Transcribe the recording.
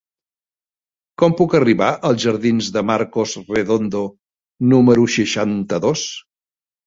Com puc arribar als jardins de Marcos Redondo número seixanta-dos?